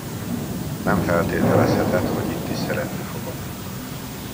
Nem feltételezheted, hogy itt is szeretni fogom.